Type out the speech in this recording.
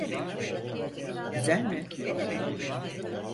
Güzel mi?